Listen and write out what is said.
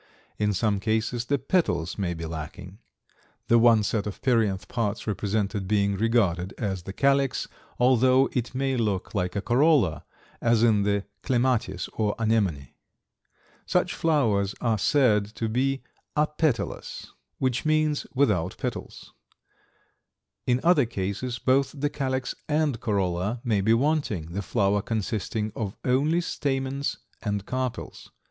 In some cases the petals may be lacking, the one set of perianth parts represented being regarded as the calyx, although it may look like a corolla, as in the clematis or anemone. Such flowers are said to be apetalous, which means "without petals." In other cases both the calyx and corolla may be wanting, the flower consisting of only stamens and carpels.